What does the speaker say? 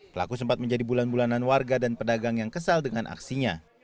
pelaku sempat menjadi bulan bulanan warga dan pedagang yang kesal dengan aksinya